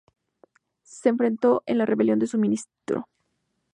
Se enfrentó a la rebelión de su ministro.